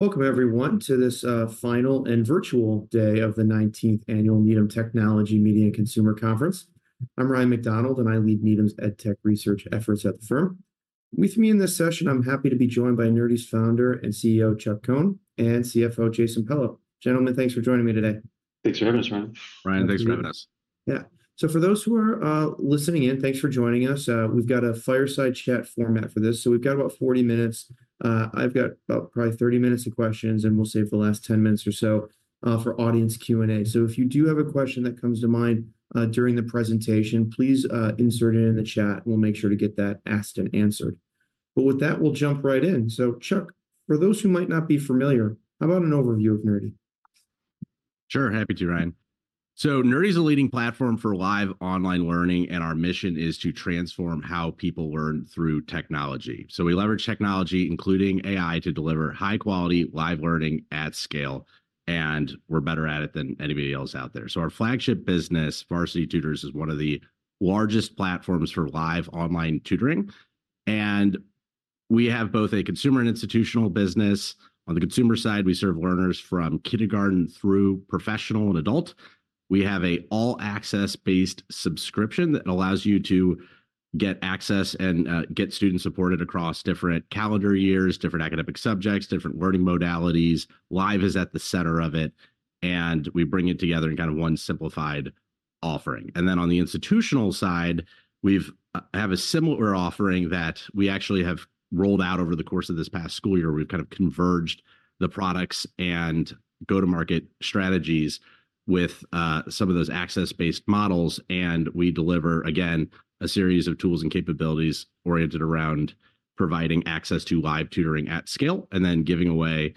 Welcome everyone, to this final and virtual day of the 19th Annual Needham Technology Media and Consumer Conference. I'm Ryan MacDonald, and I lead Needham's EdTech research efforts at the firm. With me in this session, I'm happy to be joined by Nerdy's founder and CEO, Chuck Cohn, and CFO, Jason Pello. Gentlemen, thanks for joining me today. Thanks for having us, Ryan. Ryan, thanks for having us. Yeah. So for those who are listening in, thanks for joining us. We've got a fireside chat format for this. So we've got about 40 minutes. I've got about probably 30 minutes of questions, and we'll save the last 10 minutes or so for audience Q&A. So if you do have a question that comes to mind during the presentation, please insert it in the chat, and we'll make sure to get that asked and answered. But with that, we'll jump right in. So Chuck, for those who might not be familiar, how about an overview of Nerdy? Sure. Happy to, Ryan. Nerdy is a leading platform for live online learning, and our mission is to transform how people learn through technology. We leverage technology, including AI, to deliver high-quality live learning at scale, and we're better at it than anybody else out there. Our flagship business, Varsity Tutors, is one of the largest platforms for live online tutoring, and we have both a consumer and institutional business. On the consumer side, we serve learners from kindergarten through professional and adult. We have an all-access-based subscription that allows you to get access and get students supported across different calendar years, different academic subjects, different learning modalities. Live is at the center of it, and we bring it together in kind of one simplified offering. And then on the institutional side, we've have a similar offering that we actually have rolled out over the course of this past school year, where we've kind of converged the products and go-to-market strategies with some of those access-based models, and we deliver, again, a series of tools and capabilities oriented around providing access to live tutoring at scale, and then giving away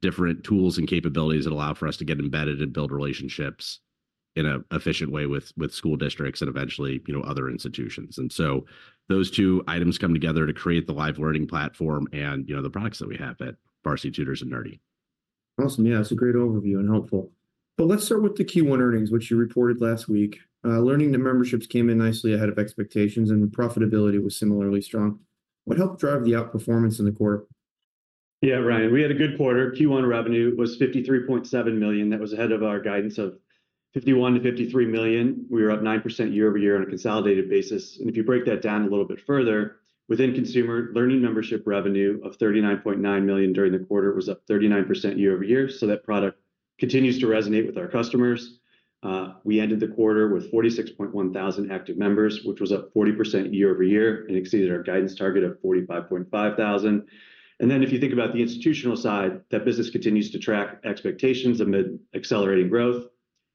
different tools and capabilities that allow for us to get embedded and build relationships in a efficient way with school districts and eventually, you know, other institutions. And so those two items come together to create the live learning platform and, you know, the products that we have at Varsity Tutors and Nerdy. Awesome. Yeah, that's a great overview and helpful. But let's start with the Q1 earnings, which you reported last week. Learning new memberships came in nicely ahead of expectations, and the profitability was similarly strong. What helped drive the outperformance in the quarter? Yeah, Ryan, we had a good quarter. Q1 revenue was $53.7 million. That was ahead of our guidance of $51-$53 million. We were up 9% year-over-year on a consolidated basis. And if you break that down a little bit further, within consumer, Learning Membership revenue of $39.9 million during the quarter was up 39% year-over-year, so that product continues to resonate with our customers. We ended the quarter with 46.1 thousand active members, which was up 40% year-over-year, and exceeded our guidance target of 45.5 thousand. And then, if you think about the institutional side, that business continues to track expectations amid accelerating growth.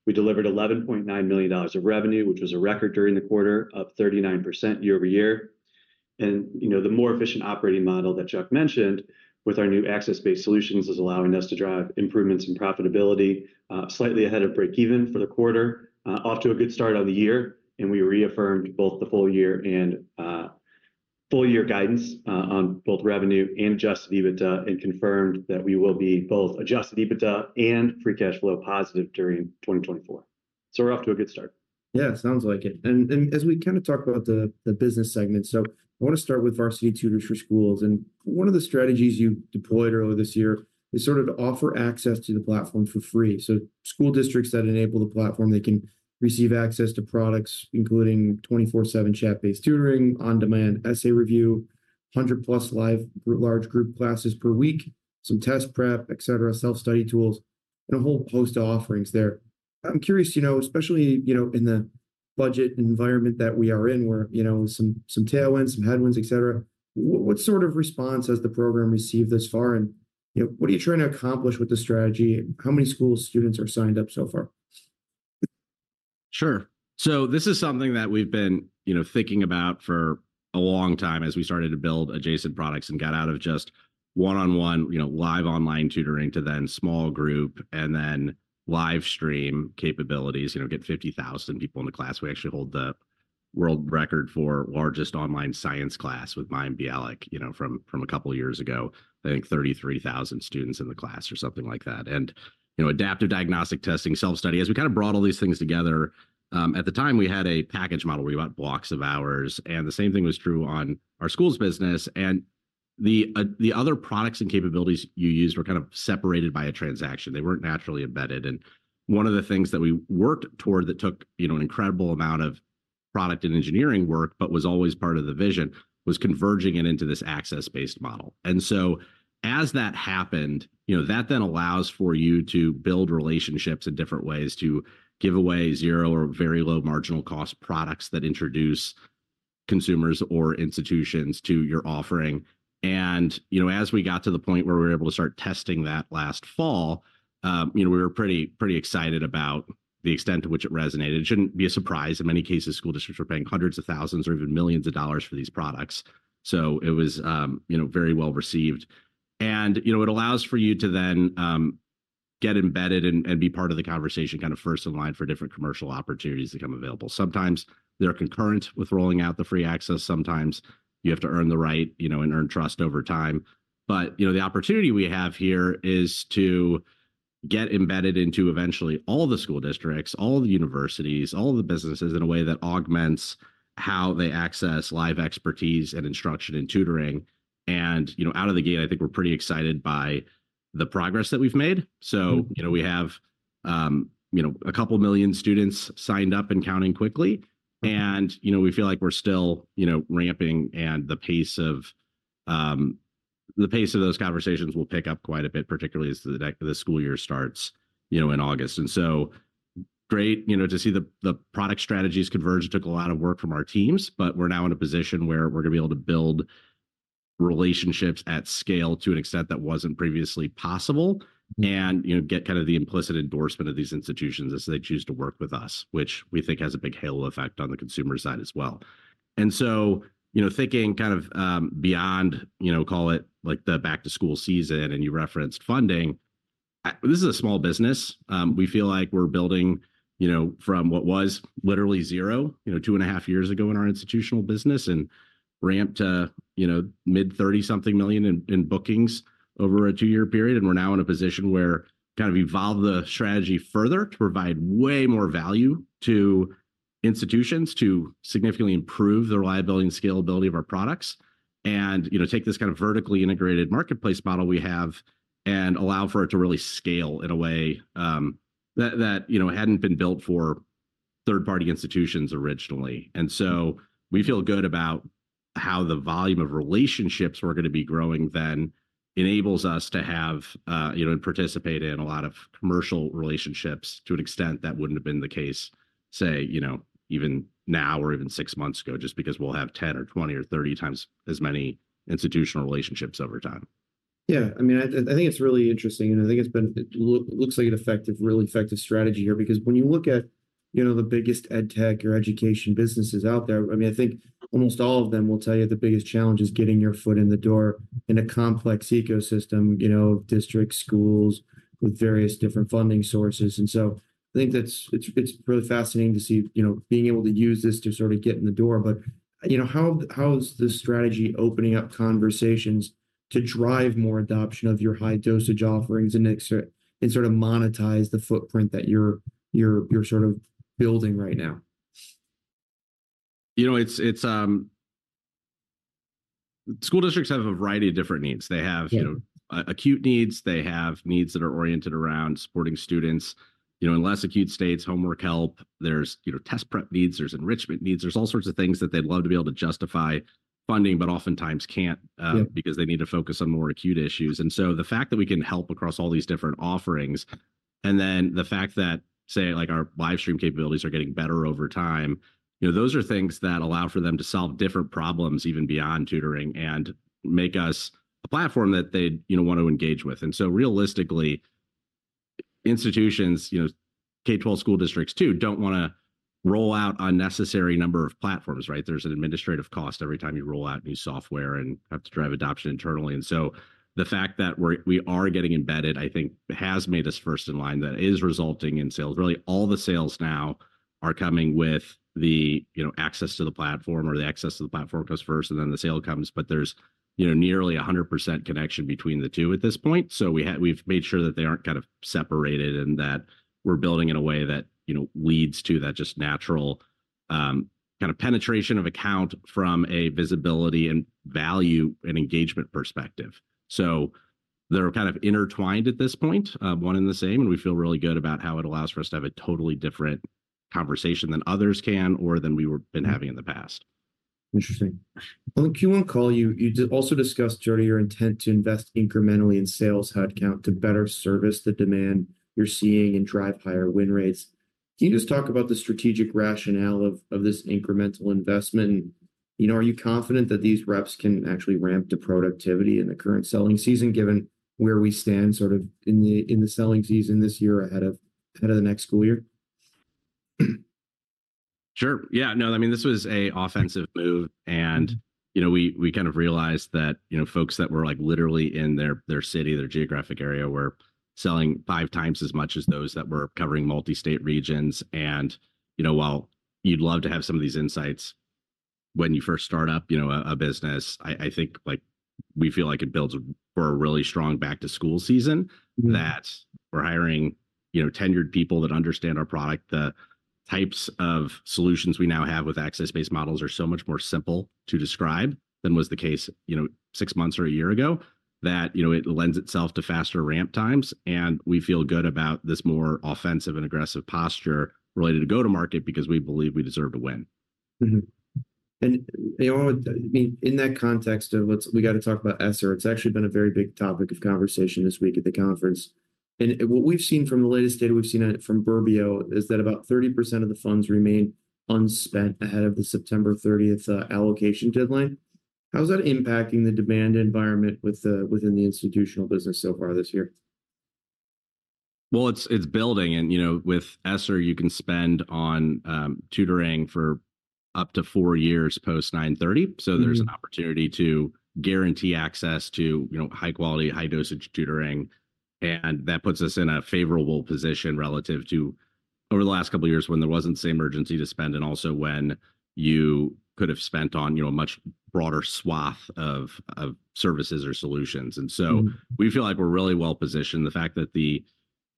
We delivered $11.9 million of revenue, which was a record during the quarter, up 39% year-over-year. You know, the more efficient operating model that Chuck mentioned with our new access-based solutions is allowing us to drive improvements in profitability, slightly ahead of break even for the quarter. Off to a good start on the year, and we reaffirmed both the full year and full year guidance on both revenue and Adjusted EBITDA, and confirmed that we will be both Adjusted EBITDA and free cash flow positive during 2024. So we're off to a good start. Yeah, sounds like it. And as we kinda talk about the business segment, so I wanna start with Varsity Tutors for Schools. And one of the strategies you deployed earlier this year is sort of to offer access to the platform for free. So school districts that enable the platform, they can receive access to products, including 24/7 chat-based tutoring, on-demand essay review, 100+ live large group classes per week, some test prep, et cetera, self-study tools, and a whole host of offerings there. I'm curious, you know, especially, you know, in the budget environment that we are in, where, you know, some tailwinds, some headwinds, et cetera, what sort of response has the program received thus far, and, you know, what are you trying to accomplish with this strategy? How many school students are signed up so far? Sure. So this is something that we've been, you know, thinking about for a long time as we started to build adjacent products and got out of just one-on-one, you know, live online tutoring to then small group and then live stream capabilities. You know, get 50,000 people in the class. We actually hold the world record for largest online science class with Mayim Bialik, you know, from a couple years ago. I think 33,000 students in the class or something like that. And, you know, adaptive diagnostic testing, self-study, as we kind of brought all these things together, at the time, we had a package model where you bought blocks of hours, and the same thing was true on our school's business. And the, the other products and capabilities you used were kind of separated by a transaction. They weren't naturally embedded, and one of the things that we worked toward that took, you know, an incredible amount of product and engineering work, but was always part of the vision, was converging it into this access-based model. And so as that happened, you know, that then allows for you to build relationships in different ways, to give away zero or very low marginal cost products that introduce consumers or institutions to your offering. And, you know, as we got to the point where we were able to start testing that last fall, you know, we were pretty, pretty excited about the extent to which it resonated. It shouldn't be a surprise. In many cases, school districts were paying hundreds of thousands or even millions of dollars for these products, so it was, you know, very well-received. You know, it allows for you to then get embedded and be part of the conversation, kind of first in line for different commercial opportunities that come available. Sometimes they're concurrent with rolling out the free access, sometimes you have to earn the right, you know, and earn trust over time. But, you know, the opportunity we have here is to get embedded into eventually all the school districts, all the universities, all the businesses in a way that augments how they access live expertise and instruction and tutoring. You know, out of the gate, I think we're pretty excited by the progress that we've made. Mm-hmm. So, you know, we have, you know, a couple million students signed up and counting quickly. And, you know, we feel like we're still, you know, ramping, and the pace of those conversations will pick up quite a bit, particularly as the school year starts, you know, in August. And so great, you know, to see the product strategies converge took a lot of work from our teams, but we're now in a position where we're gonna be able to build relationships at scale to an extent that wasn't previously possible. And, you know, get kind of the implicit endorsement of these institutions as they choose to work with us, which we think has a big halo effect on the consumer side as well. And so, you know, thinking kind of beyond, you know, call it, like, the back-to-school season, and you referenced funding, this is a small business. We feel like we're building, you know, from what was literally zero, you know, 2.5 years ago in our institutional business, and ramped to, you know, mid-$30-something million in bookings over a two-year period. And we're now in a position where kind of evolve the strategy further to provide way more value to institutions to significantly improve the reliability and scalability of our products. And, you know, take this kind of vertically integrated marketplace model we have and allow for it to really scale in a way, that, you know, hadn't been built for third-party institutions originally. And so we feel good about how the volume of relationships we're gonna be growing then enables us to have, you know, and participate in a lot of commercial relationships to an extent that wouldn't have been the case, say, you know, even now or even six months ago, just because we'll have 10 or 20 or 30 times as many institutional relationships over time. Yeah, I mean, I think it's really interesting, and I think it looks like an effective, really effective strategy here. Because when you look at, you know, the biggest EdTech or education businesses out there, I mean, I think almost all of them will tell you the biggest challenge is getting your foot in the door in a complex ecosystem, you know, district schools with various different funding sources. And so I think that's really fascinating to see, you know, being able to use this to sort of get in the door. But, you know, how is this strategy opening up conversations to drive more adoption of your high-dosage offerings and sort of monetize the footprint that you're sort of building right now? You know, school districts have a variety of different needs. Yeah. They have, you know, acute needs. They have needs that are oriented around supporting students, you know, in less acute states, homework help. There's, you know, test prep needs. There's enrichment needs. There's all sorts of things that they'd love to be able to justify funding, but oftentimes can't- Yeah... because they need to focus on more acute issues. And so the fact that we can help across all these different offerings, and then the fact that, say, like, our live stream capabilities are getting better over time, you know, those are things that allow for them to solve different problems even beyond tutoring, and make us a platform that they'd, you know, want to engage with. And so realistically, institutions, you know, K-12 school districts, too, don't wanna roll out unnecessary number of platforms, right? There's an administrative cost every time you roll out new software and have to drive adoption internally. And so the fact that we're- we are getting embedded, I think, has made us first in line, that is resulting in sales. Really, all the sales now are coming with the, you know, access to the platform, or the access to the platform comes first, and then the sale comes. But there's, you know, nearly 100% connection between the two at this point. So we've made sure that they aren't kind of separated, and that we're building in a way that, you know, leads to that just natural kind of penetration of account from a visibility and value and engagement perspective. So they're kind of intertwined at this point, one and the same, and we feel really good about how it allows for us to have a totally different conversation than others can or than we were been having in the past. Interesting. On the Q1 call, you also discussed your intent to invest incrementally in sales headcount to better service the demand you're seeing and drive higher win rates. Can you just talk about the strategic rationale of this incremental investment? And, you know, are you confident that these reps can actually ramp to productivity in the current selling season, given where we stand, sort of in the selling season this year ahead of the next school year? Sure. Yeah. No, I mean, this was an offensive move, and, you know, we kind of realized that, you know, folks that were, like, literally in their city, their geographic area, were selling five times as much as those that were covering multi-state regions. And, you know, while you'd love to have some of these insights when you first start up, you know, a business, I think, like, we feel like it builds for a really strong back-to-school season- Mm-hmm.... that we're hiring, you know, tenured people that understand our product. The types of solutions we now have with access-based models are so much more simple to describe than was the case, you know, six months or a year ago. That, you know, it lends itself to faster ramp times, and we feel good about this more offensive and aggressive posture related to go-to-market because we believe we deserve to win. Mm-hmm. And, you know, I mean, in that context of we got to talk about ESSER. It's actually been a very big topic of conversation this week at the conference. And, what we've seen from the latest data we've seen, from Burbio is that about 30% of the funds remain unspent ahead of the September thirtieth allocation deadline. How is that impacting the demand environment within the institutional business so far this year? Well, it's building, and you know, with ESSER, you can spend on tutoring for up to four years post-9/30. Mm-hmm. So there's an opportunity to guarantee access to, you know, high quality, high dosage tutoring, and that puts us in a favorable position relative to over the last couple years when there wasn't the same urgency to spend, and also when you could have spent on, you know, a much broader swath of services or solutions. Mm-hmm. We feel like we're really well positioned. The fact that the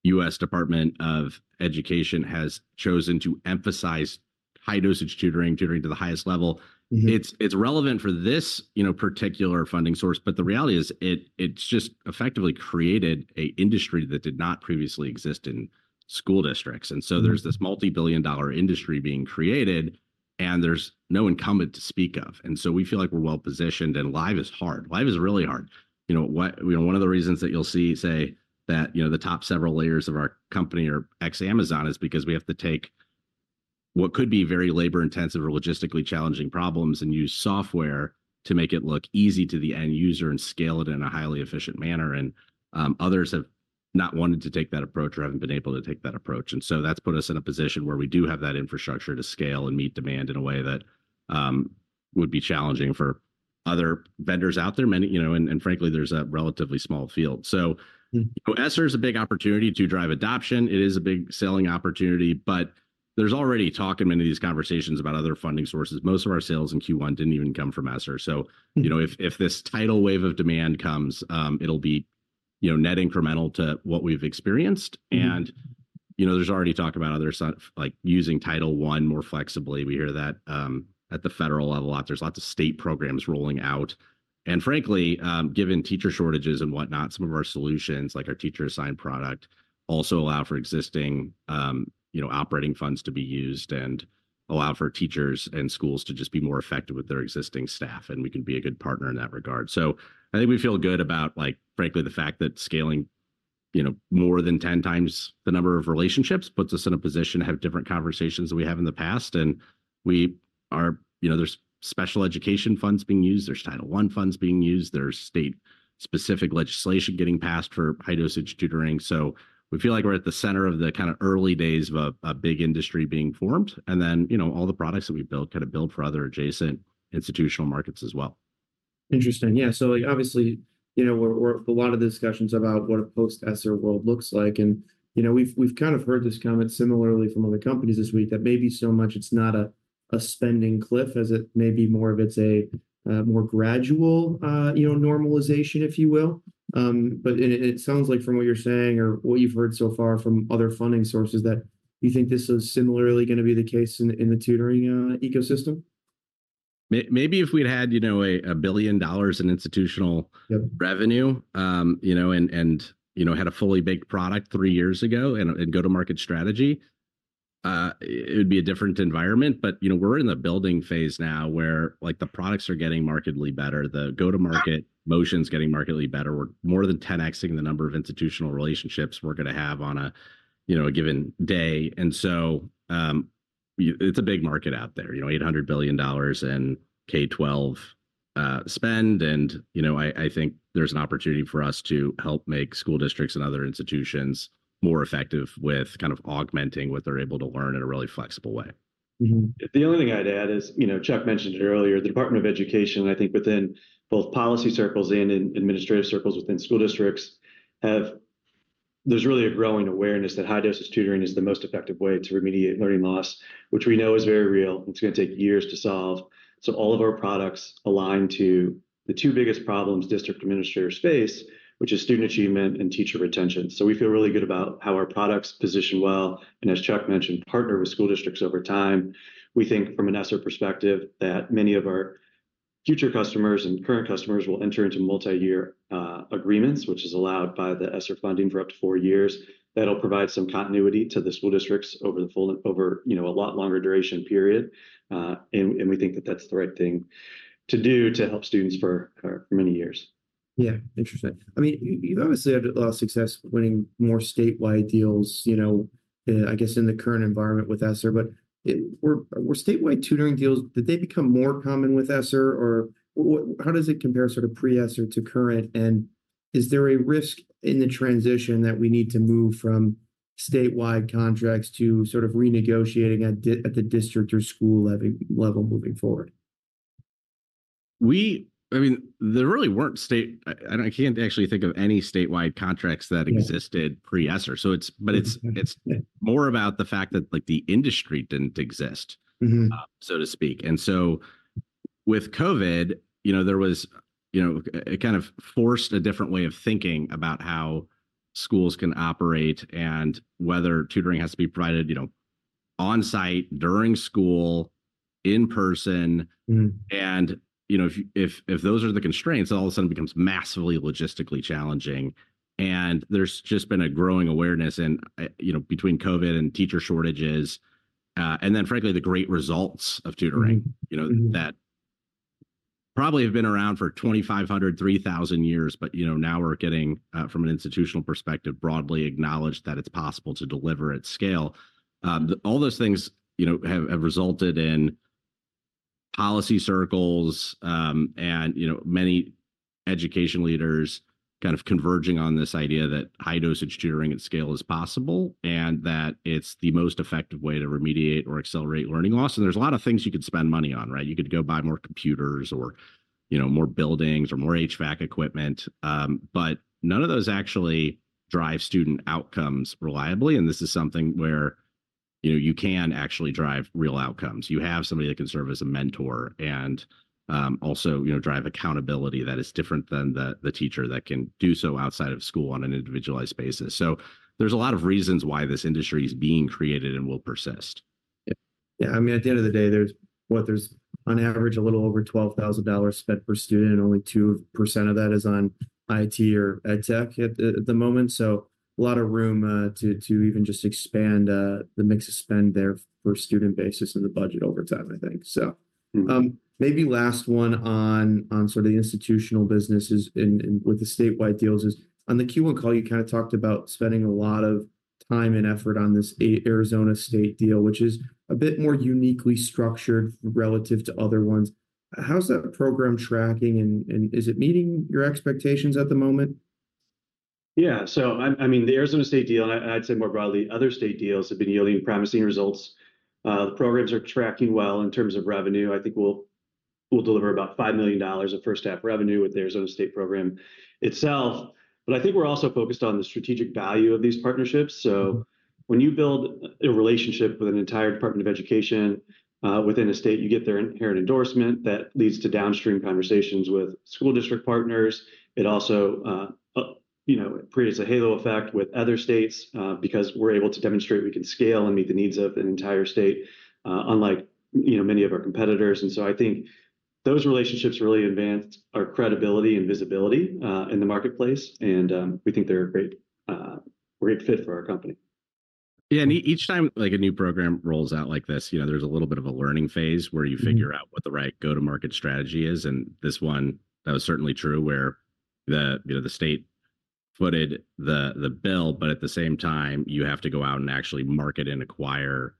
U.S. Department of Education has chosen to emphasize high-dosage tutoring, tutoring to the highest level- Mm-hmm. It's relevant for this, you know, particular funding source, but the reality is, it's just effectively created an industry that did not previously exist in school districts. Mm-hmm. So there's this multi-billion-dollar industry being created, and there's no incumbent to speak of, and so we feel like we're well positioned. Live is hard. Live is really hard. You know, one of the reasons that you'll see, say, that, you know, the top several layers of our company are ex-Amazon is because we have to take what could be very labor-intensive or logistically challenging problems and use software to make it look easy to the end user and scale it in a highly efficient manner, and others have not wanted to take that approach or haven't been able to take that approach. So that's put us in a position where we do have that infrastructure to scale and meet demand in a way that would be challenging for other vendors out there. Many, you know... Frankly, there's a relatively small field. Mm-hmm. So ESSER is a big opportunity to drive adoption. It is a big selling opportunity, but there's already talk in many of these conversations about other funding sources. Most of our sales in Q1 didn't even come from ESSER. Mm-hmm. So, you know, if this tidal wave of demand comes, it'll be, you know, net incremental to what we've experienced. Mm-hmm. You know, there's already talk about others, like, using Title I more flexibly. We hear that at the federal level a lot. There's lots of state programs rolling out, and frankly, given teacher shortages and whatnot, some of our solutions, like our teacher-assigned product, also allow for existing, you know, operating funds to be used and allow for teachers and schools to just be more effective with their existing staff, and we can be a good partner in that regard. So I think we feel good about, like, frankly, the fact that scaling, you know, more than 10 times the number of relationships puts us in a position to have different conversations than we have in the past, and we are. You know, there's special education funds being used. There's Title I funds being used. There's state-specific legislation getting passed for high-dosage tutoring. We feel like we're at the center of the kind of early days of a big industry being formed, and then, you know, all the products that we've built kind of build for other adjacent institutional markets as well. Interesting. Yeah, so, like, obviously, you know, we're a lot of discussions about what a post-ESSER world looks like. And, you know, we've kind of heard this comment similarly from other companies this week, that maybe so much it's not a spending cliff as it may be more of it's a more gradual, you know, normalization, if you will. But it sounds like from what you're saying or what you've heard so far from other funding sources, that you think this is similarly gonna be the case in the tutoring ecosystem? Maybe if we'd had, you know, a $1 billion in institutional- Yep... revenue, you know, and, and, you know, had a fully baked product three years ago and, and go-to-market strategy, it would be a different environment. But, you know, we're in the building phase now, where, like, the products are getting markedly better, the go-to-market motion's getting markedly better. We're more than 10X-ing the number of institutional relationships we're gonna have on a, you know, a given day, and so, it's a big market out there. You know, $800 billion in K-12 spend and, you know, I think there's an opportunity for us to help make school districts and other institutions more effective with kind of augmenting what they're able to learn in a really flexible way. Mm-hmm. The only thing I'd add is, you know, Chuck mentioned it earlier, the Department of Education, I think within both policy circles and in administrative circles within school districts, have—there's really a growing awareness that high-dosage tutoring is the most effective way to remediate learning loss, which we know is very real. It's gonna take years to solve. So all of our products align to the two biggest problems district administrators face, which is student achievement and teacher retention. So we feel really good about how our products position well, and as Chuck mentioned, partner with school districts over time. We think from an ESSER perspective, that many of our future customers and current customers will enter into multi-year agreements, which is allowed by the ESSER funding, for up to four years. That'll provide some continuity to the school districts over, you know, a lot longer duration period. And we think that that's the right thing to do to help students for many years. Yeah, interesting. I mean, you, you've obviously had a lot of success winning more statewide deals, you know, I guess in the current environment with ESSER, but, were statewide tutoring deals, did they become more common with ESSER, or what-- how does it compare sort of pre-ESSER to current? And is there a risk in the transition that we need to move from statewide contracts to sort of renegotiating at at the district or school level moving forward? I mean, there really weren't state... I don't—I can't actually think of any statewide contracts that- Yeah... existed pre-ESSER, so it's- Mm-hmm. But it's more about the fact that, like, the industry didn't exist... Mm-hmm... so to speak. And so with COVID, you know, there was, you know, it kind of forced a different way of thinking about how schools can operate and whether tutoring has to be provided, you know, on-site, during school, in person. Mm-hmm. You know, if those are the constraints, then all of a sudden it becomes massively logistically challenging. And there's just been a growing awareness and, you know, between COVID and teacher shortages, and then frankly, the great results of tutoring- Mm-hmm, mm-hmm... you know, that probably have been around for 2,500, 3,000 years, but, you know, now we're getting, from an institutional perspective, broadly acknowledged that it's possible to deliver at scale. All those things, you know, have resulted in policy circles, and, you know, many education leaders kind of converging on this idea that high-dosage tutoring at scale is possible, and that it's the most effective way to remediate or accelerate learning loss. There's a lot of things you could spend money on, right? You could go buy more computers or, you know, more buildings or more HVAC equipment, but none of those actually drive student outcomes reliably, and this is something where- ... you know, you can actually drive real outcomes. You have somebody that can serve as a mentor, and also, you know, drive accountability that is different than the teacher that can do so outside of school on an individualized basis. So there's a lot of reasons why this industry is being created and will persist. Yeah. I mean, at the end of the day, there's -- what, there's on average a little over $12,000 spent per student, and only 2% of that is on IT or ed tech at the moment. So a lot of room to even just expand the mix of spend there per student basis in the budget over time, I think. So- Mm-hmm. Maybe last one on sort of the institutional businesses in with the statewide deals is, on the Q1 call, you kind of talked about spending a lot of time and effort on this Arizona state deal, which is a bit more uniquely structured relative to other ones. How's that program tracking, and is it meeting your expectations at the moment? Yeah. So I mean, the Arizona state deal, and I'd say more broadly, other state deals have been yielding promising results. The programs are tracking well in terms of revenue. I think we'll deliver about $5 million of first-half revenue with the Arizona state program itself. But I think we're also focused on the strategic value of these partnerships. So when you build a relationship with an entire department of education within a state, you get their inherent endorsement, that leads to downstream conversations with school district partners. It also, you know, creates a halo effect with other states because we're able to demonstrate we can scale and meet the needs of an entire state, unlike, you know, many of our competitors. And so I think those relationships really advanced our credibility and visibility in the marketplace, and we think they're a great fit for our company. Yeah, and each time, like, a new program rolls out like this, you know, there's a little bit of a learning phase where you- Mm... figure out what the right go-to-market strategy is. And this one, that was certainly true, where, you know, the state footed the bill, but at the same time, you have to go out and actually market and acquire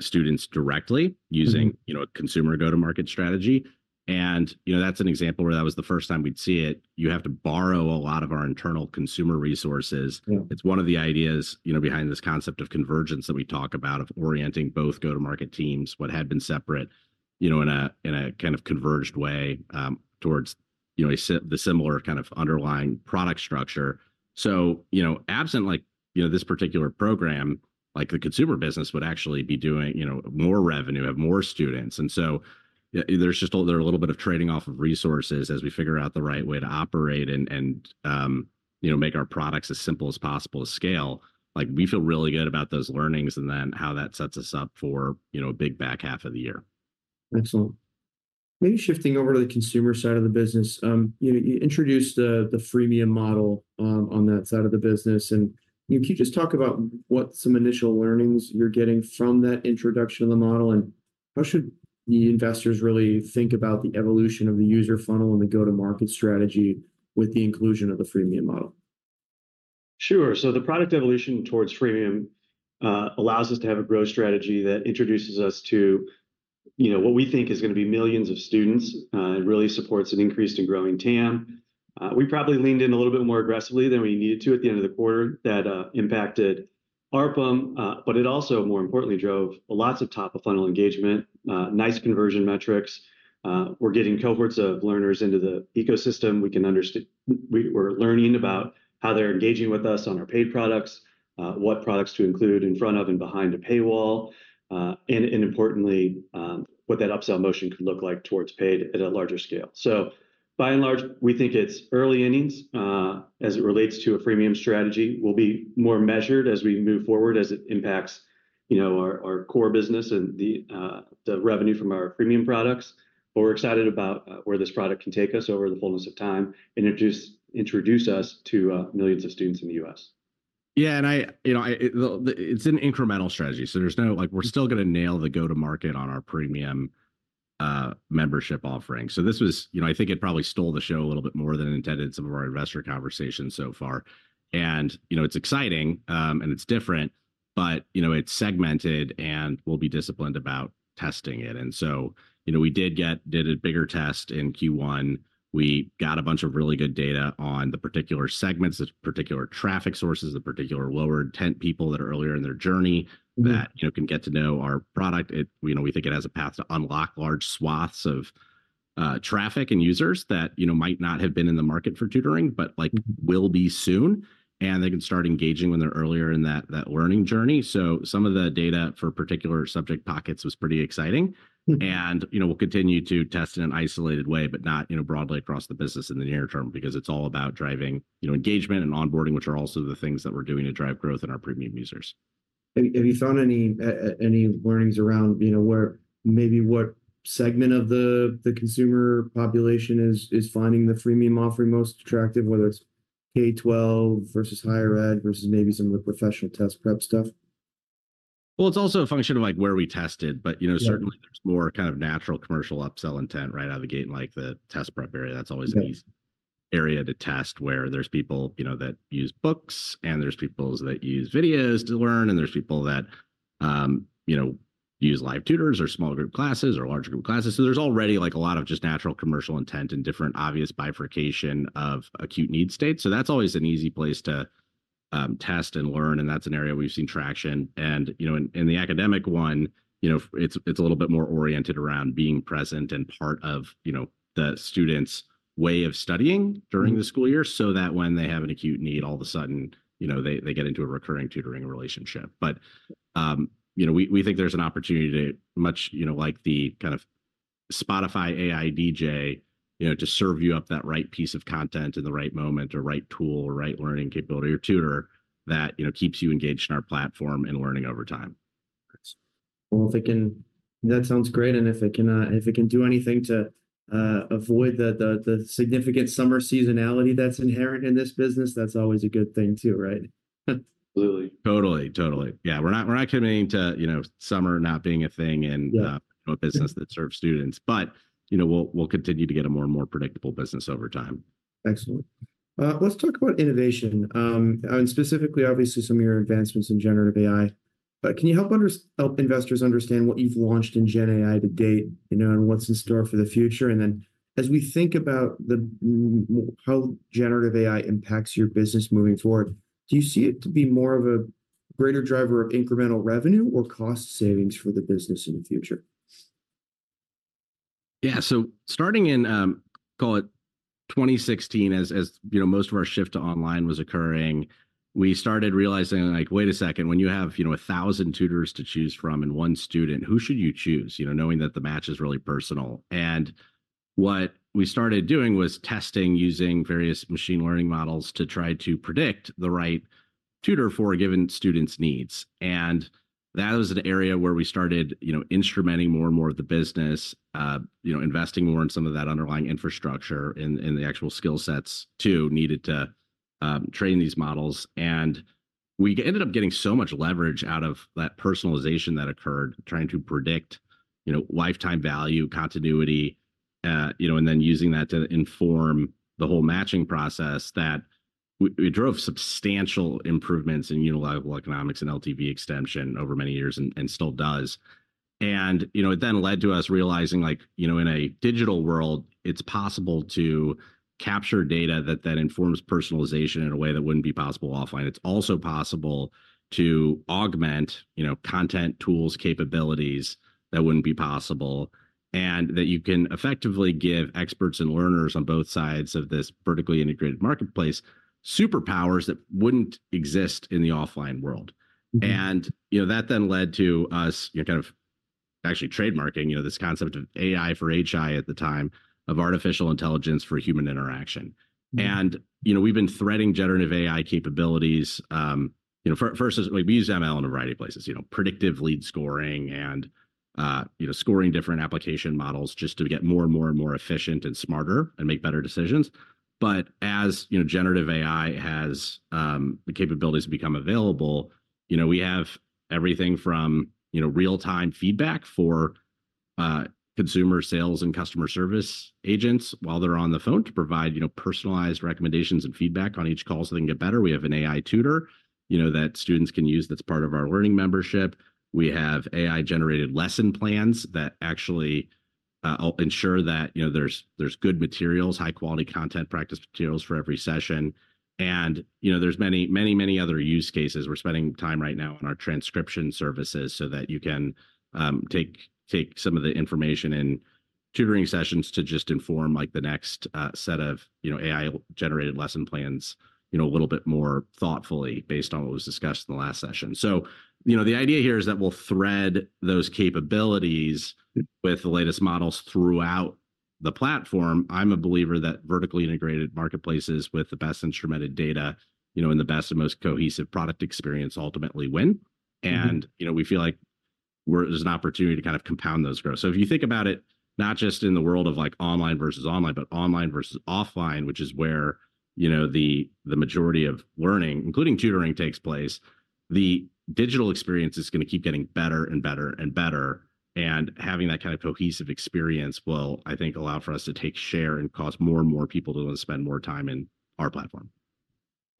students directly- Mm-hmm... using, you know, a consumer go-to-market strategy. You know, that's an example where that was the first time we'd see it. You have to borrow a lot of our internal consumer resources. Yeah. It's one of the ideas, you know, behind this concept of convergence that we talk about, of orienting both go-to-market teams, what had been separate, you know, in a kind of converged way, towards, you know, the similar kind of underlying product structure. So, you know, absent like, you know, this particular program, like the consumer business, would actually be doing, you know, more revenue, have more students. And so yeah, there's just a little bit of trading off of resources as we figure out the right way to operate and, you know, make our products as simple as possible to scale. Like, we feel really good about those learnings and then how that sets us up for, you know, a big back half of the year. Excellent. Maybe shifting over to the consumer side of the business. You introduced the freemium model on that side of the business. Can you just talk about what some initial learnings you're getting from that introduction of the model, and how should the investors really think about the evolution of the user funnel and the go-to-market strategy with the inclusion of the freemium model? Sure. So the product evolution towards freemium allows us to have a growth strategy that introduces us to, you know, what we think is gonna be millions of students. It really supports an increase in growing TAM. We probably leaned in a little bit more aggressively than we needed to at the end of the quarter that impacted ARPA, but it also, more importantly, drove lots of top-of-funnel engagement, nice conversion metrics. We're getting cohorts of learners into the ecosystem. We can, we're learning about how they're engaging with us on our paid products, what products to include in front of and behind a paywall, and, and importantly, what that upsell motion could look like towards paid at a larger scale. So by and large, we think it's early innings, as it relates to a freemium strategy. We'll be more measured as we move forward, as it impacts, you know, our, our core business and the, the revenue from our freemium products. But we're excited about, where this product can take us over the fullness of time, and introduce, introduce us to, millions of students in the US. Yeah, and I, you know, I, it's an incremental strategy, so there's no... Like, we're still gonna nail the go-to-market on our premium membership offering. So this was, you know, I think it probably stole the show a little bit more than intended some of our investor conversations so far. And, you know, it's exciting, and it's different, but, you know, it's segmented, and we'll be disciplined about testing it. And so, you know, we did a bigger test in Q1. We got a bunch of really good data on the particular segments, the particular traffic sources, the particular lower-intent people that are earlier in their journey- Mm... that, you know, can get to know our product. It, you know, we think it has a path to unlock large swaths of traffic and users that, you know, might not have been in the market for tutoring, but like, will be soon. And they can start engaging when they're earlier in that learning journey. So some of the data for particular subject pockets was pretty exciting. Mm. You know, we'll continue to test in an isolated way, but not, you know, broadly across the business in the near term, because it's all about driving, you know, engagement and onboarding, which are also the things that we're doing to drive growth in our premium users. Have you found any learnings around, you know, where maybe what segment of the consumer population is finding the freemium offering most attractive, whether it's K-12 versus higher ed versus maybe some of the professional test prep stuff? Well, it's also a function of, like, where we tested, but, you know- Yeah... certainly there's more kind of natural commercial upsell intent right out of the gate, like the test prep area. Yeah. That's always an easy area to test, where there's people, you know, that use books, and there's people that use videos to learn, and there's people that, you know, use live tutors or small group classes or larger group classes. So there's already, like, a lot of just natural commercial intent and different obvious bifurcation of acute need state. So that's always an easy place to test and learn, and that's an area we've seen traction. And, you know, in, in the academic one, you know, it's, it's a little bit more oriented around being present and part of, you know, the student's way of studying- Mm... during the school year. So that when they have an acute need, all of a sudden, you know, they get into a recurring tutoring relationship. But, you know, we think there's an opportunity to much, you know, like the kind of-... Spotify AI DJ, you know, to serve you up that right piece of content in the right moment, or right tool, or right learning capability, or tutor that, you know, keeps you engaged in our platform and learning over time. Well, that sounds great, and if it can do anything to avoid the significant summer seasonality that's inherent in this business, that's always a good thing too, right? Absolutely. Totally. Totally. Yeah, we're not, we're not committing to, you know, summer not being a thing in- Yeah... a business that serves students. But, you know, we'll continue to get a more and more predictable business over time. Excellent. Let's talk about innovation. And specifically, obviously, some of your advancements in generative AI. But can you help investors understand what you've launched in gen AI to date, you know, and what's in store for the future? And then, as we think about how generative AI impacts your business moving forward, do you see it to be more of a greater driver of incremental revenue or cost savings for the business in the future? Yeah. So starting in, call it 2016, as you know, most of our shift to online was occurring, we started realizing, like, wait a second, when you have, you know, 1,000 tutors to choose from and one student, who should you choose? You know, knowing that the match is really personal. And what we started doing was testing using various machine learning models to try to predict the right tutor for a given student's needs. And that was an area where we started, you know, instrumenting more and more of the business, you know, investing more in some of that underlying infrastructure and the actual skill sets too needed to train these models. And we ended up getting so much leverage out of that personalization that occurred, trying to predict, you know, lifetime value, continuity, and then using that to inform the whole matching process, that we, we drove substantial improvements in unit level economics and LTV extension over many years, and still does. And, you know, it then led to us realizing, like, you know, in a digital world, it's possible to capture data that informs personalization in a way that wouldn't be possible offline. It's also possible to augment, you know, content, tools, capabilities that wouldn't be possible, and that you can effectively give experts and learners on both sides of this vertically integrated marketplace superpowers that wouldn't exist in the offline world. Mm-hmm. You know, that then led to us, you know, kind of actually trademarking, you know, this concept of AI for HI at the time, of artificial intelligence for human interaction. Mm. And, you know, we've been threading generative AI capabilities. We use ML in a variety of places, you know, predictive lead scoring and, you know, scoring different application models just to get more and more and more efficient and smarter, and make better decisions. But as, you know, generative AI has, the capabilities become available, you know, we have everything from, you know, real-time feedback for, consumer sales and customer service agents while they're on the phone to provide, you know, personalized recommendations and feedback on each call so they can get better. We have an AI tutor, you know, that students can use that's part of our Learning Membership. We have AI-generated lesson plans that actually ensure that, you know, there's good materials, high quality content, practice materials for every session. You know, there's many, many, many other use cases. We're spending time right now on our transcription services so that you can take some of the information in tutoring sessions to just inform, like, the next set of, you know, AI-generated lesson plans, you know, a little bit more thoughtfully based on what was discussed in the last session. You know, the idea here is that we'll thread those capabilities with the latest models throughout the platform. I'm a believer that vertically integrated marketplaces with the best instrumented data, you know, and the best and most cohesive product experience ultimately win. Mm-hmm. You know, we feel like there's an opportunity to kind of compound those growth. So if you think about it, not just in the world of, like, online versus online, but online versus offline, which is where, you know, the majority of learning, including tutoring, takes place, the digital experience is gonna keep getting better and better and better. And having that kind of cohesive experience will, I think, allow for us to take share and cause more and more people to want to spend more time in our platform.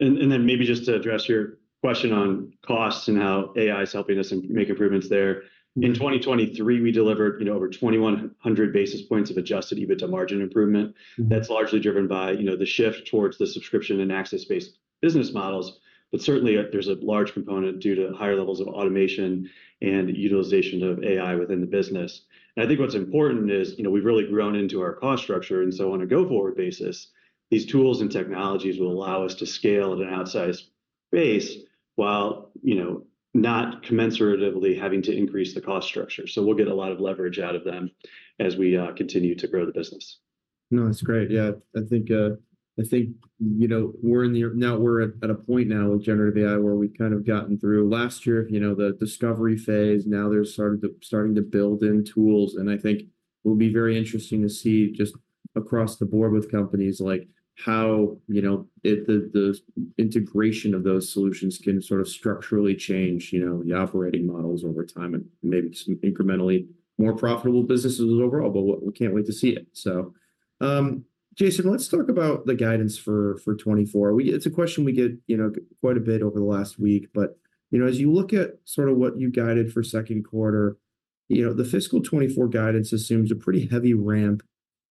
Then maybe just to address your question on costs and how AI is helping us make improvements there. Mm. In 2023, we delivered, you know, over 2,100 basis points of Adjusted EBITDA margin improvement. Mm. That's largely driven by, you know, the shift towards the subscription and access-based business models. But certainly, there's a large component due to higher levels of automation and utilization of AI within the business. And I think what's important is, you know, we've really grown into our cost structure, and so on a go-forward basis, these tools and technologies will allow us to scale at an outsized base while, you know, not commensurately having to increase the cost structure. So we'll get a lot of leverage out of them as we continue to grow the business. No, that's great. Yeah, I think, I think, you know, we're in the... Now we're at a point now with generative AI, where we've kind of gotten through last year, you know, the discovery phase. Now there's starting to build in tools, and I think it will be very interesting to see just across the board with companies like how, you know, if the integration of those solutions can sort of structurally change, you know, the operating models over time, and maybe some incrementally more profitable businesses overall. But we can't wait to see it. So, Jason, let's talk about the guidance for 2024. It's a question we get, you know, quite a bit over the last week, but, you know, as you look at sort of what you guided for second quarter, you know, the fiscal 2024 guidance assumes a pretty heavy ramp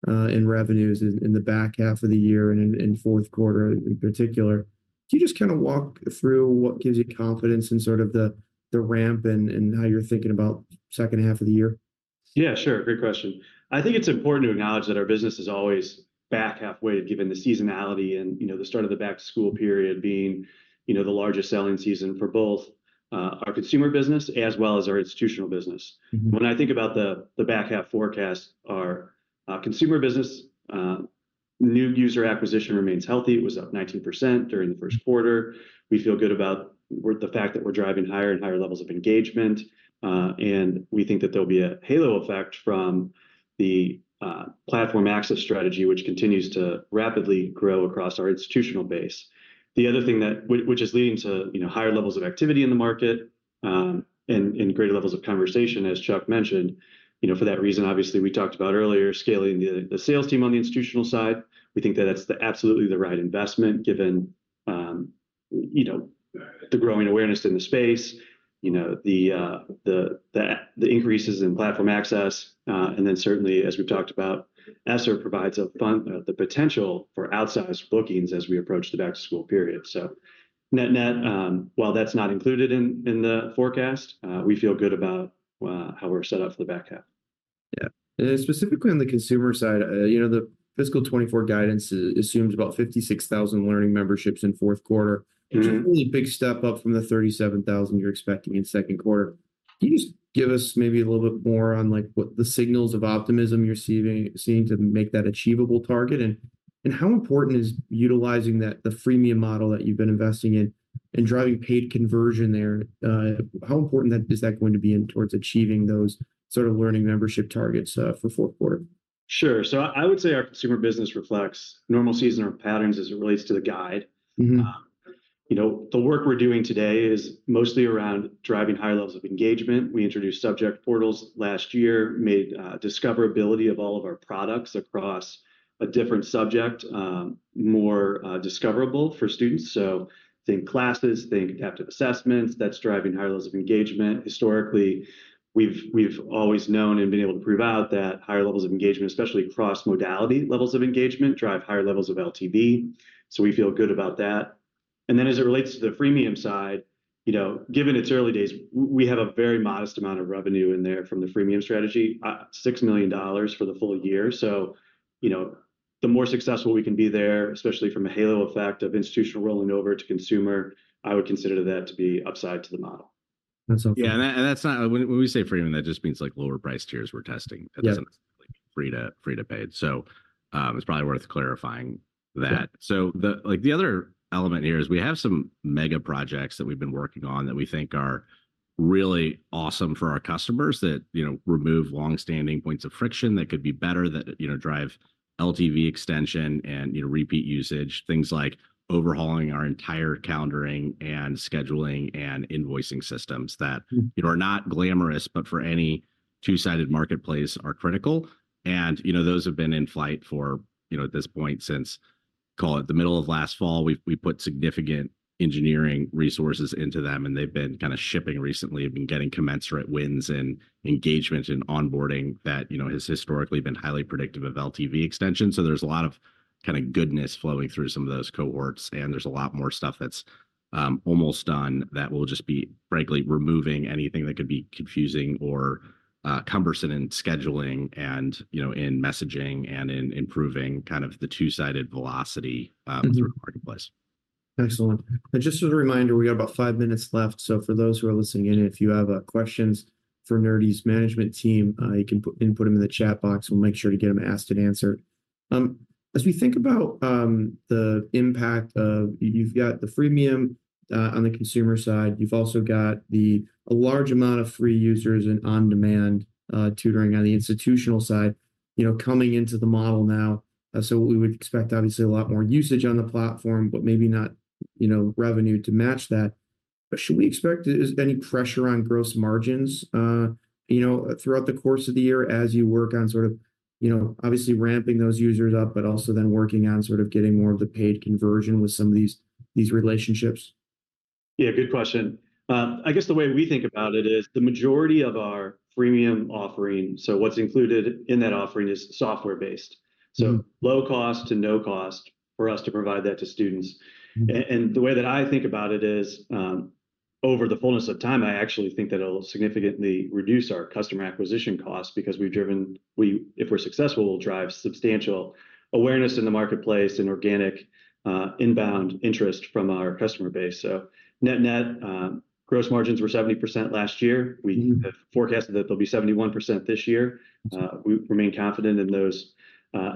in revenues in the back half of the year and in fourth quarter in particular. Can you just kind of walk through what gives you confidence in sort of the ramp and how you're thinking about second half of the year? Yeah, sure. Great question. I think it's important to acknowledge that our business is always back halfway, given the seasonality and, you know, the start of the back-to-school period being, you know, the largest selling season for both, our consumer business as well as our institutional business. Mm-hmm. When I think about the back half forecast, our consumer business, new user acquisition remains healthy. It was up 19% during the first quarter. We feel good about the fact that we're driving higher and higher levels of engagement, and we think that there'll be a halo effect from the platform access strategy, which continues to rapidly grow across our institutional base. The other thing that which is leading to, you know, higher levels of activity in the market, and greater levels of conversation, as Chuck mentioned, you know, for that reason, obviously, we talked about earlier scaling the sales team on the institutional side. We think that that's the absolutely the right investment, given, you know, the growing awareness in the space, you know, the increases in platform access, and then certainly, as we've talked about, ESSER provides funding, the potential for outsized bookings as we approach the back-to-school period. So net-net, while that's not included in the forecast, we feel good about how we're set up for the back half. Yeah. And specifically on the consumer side, you know, the fiscal 2024 guidance assumes about 56,000 Learning Memberships in fourth quarter. Mm-hmm. -which is a really big step up from the 37,000 you're expecting in second quarter. Can you just give us maybe a little bit more on, like, what the signals of optimism you're seeing, seem to make that achievable target? And, how important is utilizing that, the freemium model that you've been investing in and driving paid conversion there, how important that, is that going to be in towards achieving those sort of Learning Membership targets, for fourth quarter? Sure. So I would say our consumer business reflects normal seasonal patterns as it relates to the guide. Mm-hmm. You know, the work we're doing today is mostly around driving high levels of engagement. We introduced subject portals last year, made discoverability of all of our products across a different subject more discoverable for students. So think classes, think adaptive assessments, that's driving higher levels of engagement. Historically, we've always known and been able to prove out that higher levels of engagement, especially across modality levels of engagement, drive higher levels of LTV. So we feel good about that. And then as it relates to the freemium side, you know, given it's early days, we have a very modest amount of revenue in there from the freemium strategy, $6 million for the full year. You know, the more successful we can be there, especially from a halo effect of institutional rolling over to consumer, I would consider that to be upside to the model. That's all. Yeah, and that's not... When we say freemium, that just means like lower price tiers we're testing. Yeah. It doesn't free to, free to paid. So, it's probably worth clarifying that. Yeah. So the, like, the other element here is we have some mega projects that we've been working on that we think are really awesome for our customers that, you know, remove long-standing points of friction that could be better, that, you know, drive LTV extension and, you know, repeat usage. Things like overhauling our entire calendaring and scheduling and invoicing systems that Mm you know, are not glamorous, but for any two-sided marketplace are critical. And, you know, those have been in flight for, you know, at this point since, call it the middle of last fall. We've put significant engineering resources into them, and they've been kind of shipping recently. We've been getting commensurate wins and engagement in onboarding that, you know, has historically been highly predictive of LTV extension. So there's a lot of kind of goodness flowing through some of those cohorts, and there's a lot more stuff that's almost done that will just be frankly removing anything that could be confusing or cumbersome in scheduling and, you know, in messaging and in improving kind of the two-sided velocity- Mm-hmm with the marketplace. Excellent. Just as a reminder, we have about five minutes left. For those who are listening in, if you have questions for Nerdy's management team, you can input them in the chat box. We'll make sure to get them asked and answered. As we think about the impact of... You've got the freemium on the consumer side. You've also got a large amount of free users in on-demand tutoring on the institutional side, you know, coming into the model now. We would expect, obviously, a lot more usage on the platform, but maybe not, you know, revenue to match that. Should we expect, is any pressure on gross margins, you know, throughout the course of the year as you work on sort of, you know, obviously ramping those users up, but also then working on sort of getting more of the paid conversion with some of these, these relationships? Yeah, good question. I guess the way we think about it is the majority of our freemium offering, so what's included in that offering is software-based. Mm. So low cost to no cost for us to provide that to students. Mm. And the way that I think about it is, over the fullness of time, I actually think that it'll significantly reduce our customer acquisition costs, because if we're successful, we'll drive substantial awareness in the marketplace and organic, inbound interest from our customer base. So net-net, gross margins were 70% last year. Mm. We have forecasted that they'll be 71% this year. Excellent. We remain confident in those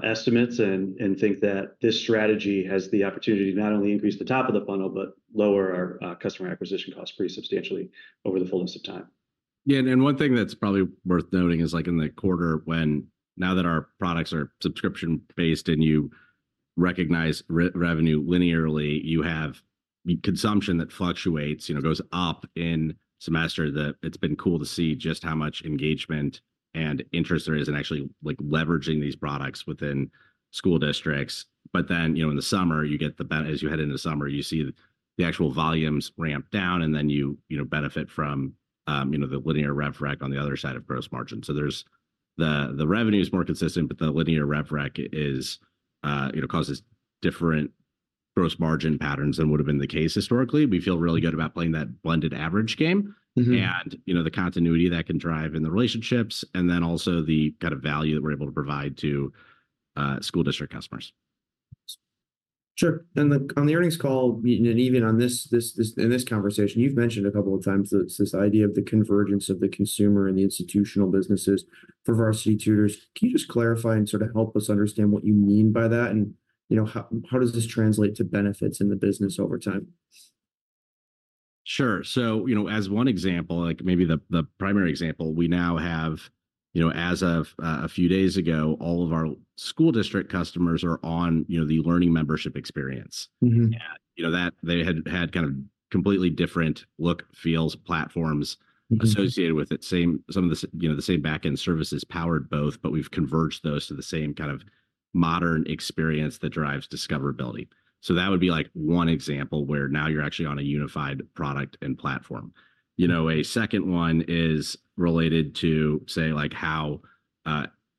estimates and think that this strategy has the opportunity to not only increase the top of the funnel, but lower our customer acquisition costs pretty substantially over the fullness of time. Yeah, and one thing that's probably worth noting is, like in the quarter, when now that our products are subscription-based and you recognize revenue linearly, you have consumption that fluctuates, you know, goes up in semester, that it's been cool to see just how much engagement and interest there is in actually, like, leveraging these products within school districts. But then, you know, in the summer, you get the benefit. As you head into summer, you see the actual volumes ramp down, and then you, you know, benefit from, you know, the linear rev rec on the other side of gross margin. So there's the revenue is more consistent, but the linear rev rec is, you know, causes different gross margin patterns than would have been the case historically. We feel really good about playing that blended average game. Mm-hmm... and, you know, the continuity that can drive in the relationships, and then also the kind of value that we're able to provide to school district customers.... Sure. And on the earnings call, and even in this conversation, you've mentioned a couple of times that it's this idea of the convergence of the consumer and the institutional businesses for Varsity Tutors. Can you just clarify and sort of help us understand what you mean by that? And, you know, how does this translate to benefits in the business over time? Sure. So, you know, as one example, like maybe the primary example, we now have, you know, as of a few days ago, all of our school district customers are on, you know, the Learning Membership experience. Mm-hmm. Yeah. You know, that they had kind of completely different look, feels, platforms- Mm-hmm... associated with it. Some of the, you know, the same backend services powered both, but we've converged those to the same kind of modern experience that drives discoverability. So that would be, like, one example where now you're actually on a unified product and platform. You know, a second one is related to say, like, how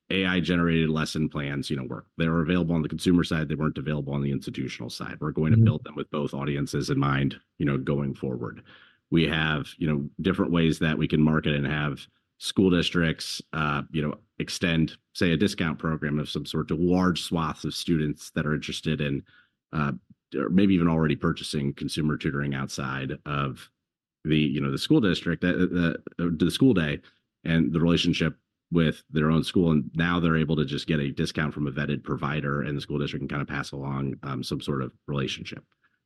AI-generated lesson plans, you know, work. They were available on the consumer side. They weren't available on the institutional side. Mm-hmm. We're going to build them with both audiences in mind, you know, going forward. We have, you know, different ways that we can market and have school districts, you know, extend, say, a discount program of some sort to large swaths of students that are interested in, or maybe even already purchasing consumer tutoring outside of the, you know, the school district, the school day, and the relationship with their own school. And now they're able to just get a discount from a vetted provider, and the school district can kind of pass along, some sort of relationship.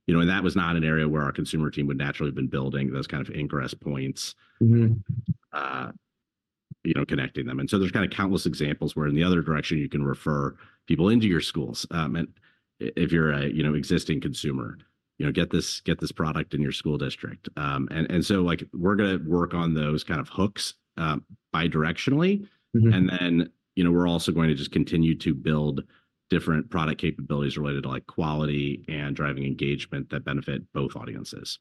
You know, and that was not an area where our consumer team would naturally have been building those kind of ingress points- Mm-hmm... you know, connecting them. And so there's kind of countless examples where in the other direction, you can refer people into your schools. And if you're a, you know, existing consumer, you know, get this, get this product in your school district. And so, like, we're gonna work on those kind of hooks, bidirectionally. Mm-hmm. And then, you know, we're also going to just continue to build different product capabilities related to, like, quality and driving engagement that benefit both audiences.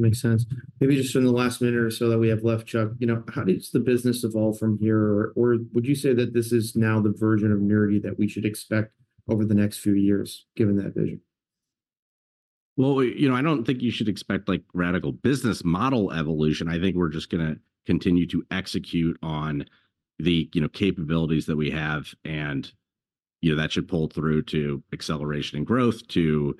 Makes sense. Maybe just in the last minute or so that we have left, Chuck, you know, how does the business evolve from here? Or would you say that this is now the version of Nerdy that we should expect over the next few years, given that vision? Well, you know, I don't think you should expect, like, radical business model evolution. I think we're just gonna continue to execute on the, you know, capabilities that we have, and, you know, that should pull through to acceleration and growth, to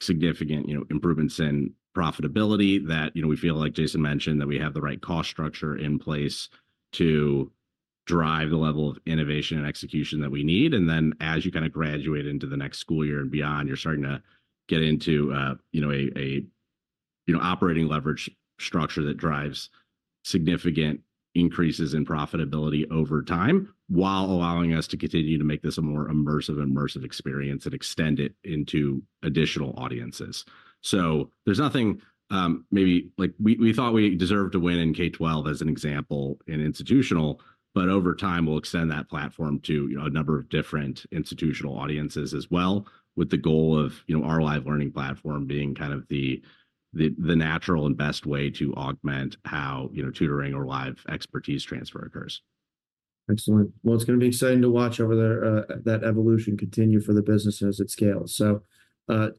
significant, you know, improvements in profitability that, you know, we feel, like Jason mentioned, that we have the right cost structure in place to drive the level of innovation and execution that we need. And then as you kind of graduate into the next school year and beyond, you're starting to get into, you know, an operating leverage structure that drives significant increases in profitability over time, while allowing us to continue to make this a more immersive, immersive experience and extend it into additional audiences. So there's nothing... Maybe, like, we thought we deserved to win in K-12 as an example in institutional, but over time, we'll extend that platform to, you know, a number of different institutional audiences as well, with the goal of, you know, our live learning platform being kind of the natural and best way to augment how, you know, tutoring or live expertise transfer occurs. Excellent. Well, it's gonna be exciting to watch over the, that evolution continue for the business as it scales. So,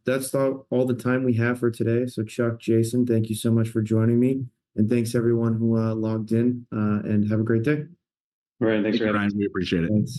that's all, all the time we have for today. So Chuck, Jason, thank you so much for joining me, and thanks everyone who, logged in, and have a great day. All right. Thanks, Ryan. We appreciate it. Thanks.